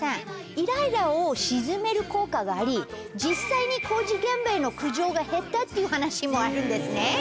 イライラを静める効果があり実際に工事現場への。っていう話もあるんですね。